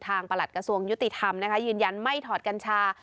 ประหลัดกระทรวงยุติธรรมนะคะยืนยันไม่ถอดกัญชา